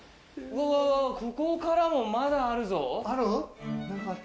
ここからも、まだあるぞ。